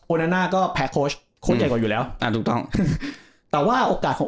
นาน่าก็แพ้โค้ชโค้ดใหญ่กว่าอยู่แล้วอ่าถูกต้องแต่ว่าโอกาสของ